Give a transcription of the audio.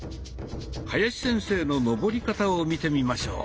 林先生の上り方を見てみましょう。